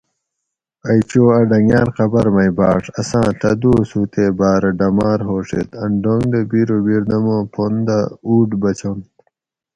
ائ چو اۤ ڈنگاۤل قبر مئ بھۤاڛ اساۤں ڷہ دوس ھو تے باۤرہ ڈماۤر ھوڛیت ان ڈونگ دہ بیرو بردمو پن دہ اوُٹ بچنت